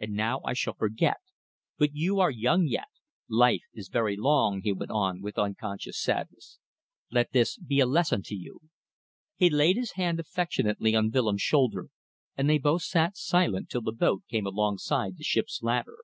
And now I shall forget; but you are young yet. Life is very long," he went on, with unconscious sadness; "let this be a lesson to you." He laid his hand affectionately on Willems' shoulder, and they both sat silent till the boat came alongside the ship's ladder.